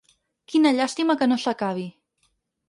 Quina llàstima que no s'acabi!